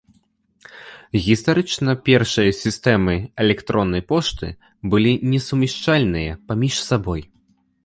Гістарычна першыя сістэмы электроннай пошты былі несумяшчальныя паміж сабой.